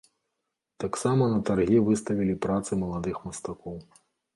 Таксама на таргі выставілі працы маладых мастакоў.